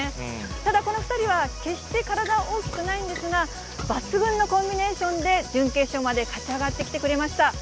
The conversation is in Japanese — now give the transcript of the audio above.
ただ、この２人は決して体は大きくないんですが、抜群のコンビネーションで準決勝まで勝ち上がってきてくれました。